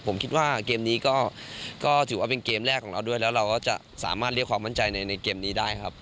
ผมคิดว่าเกมนี้ก็ถือว่าเป็นเกมแรกของเราด้วยแล้วเราก็จะสามารถเรียกความมั่นใจในเกมนี้ได้ครับ